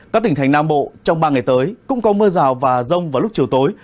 các tỉnh thành nam bộ trong ba ngày tới cũng có mưa rào và rông vào lúc chiều tối